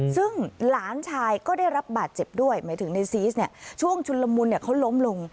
ซึ่งหลานชายก็ได้รับบาดเจ็บด้วยหมายถึงในซีสเนี่ยช่วงชุนละมุนเขาล้มลง